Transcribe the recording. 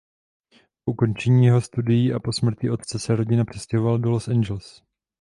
Po ukončení jeho studií a po smrti otce se rodina přestěhovala do Los Angeles.